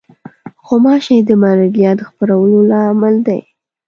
غوماشې د ملاریا د خپرولو لامل دي.